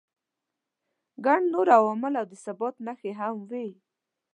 ګڼ نور عوامل او د ثبات نښې هم وي.